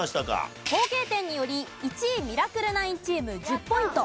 合計点により１位ミラクル９チーム１０ポイント